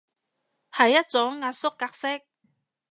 係一種壓縮格式